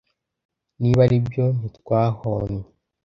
Niba ari byo ntitwahoanye?